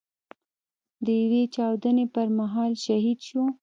د يوې چاودنې پر مهال شهيد شو.